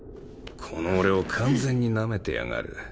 この俺を完全になめてやがる。